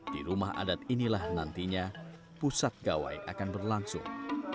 di rumah adat inilah nantinya pusat gawai akan berlangsung